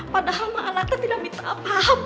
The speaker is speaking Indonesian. padahal ma alatnya tidak minta apa apa